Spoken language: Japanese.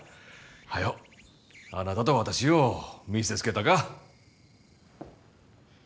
早うあなたと私を見せつけたか。